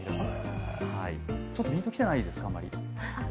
ちょっとピンと来てないですか、あまり。